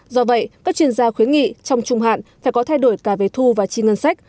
do vậy các chuyên gia khuyến nghị trong trung hạn phải có thay đổi cả về thu và chi ngân sách